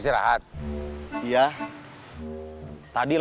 oh gak aparel